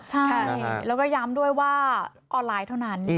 ใช่แล้วก็ย้ำด้วยว่าออนไลน์เท่านั้น